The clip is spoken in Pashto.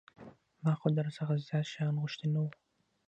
ما خو در څخه زيات شيان غوښتي نه وو.